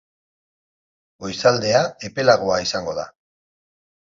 Goizaldea epelagoa izango da.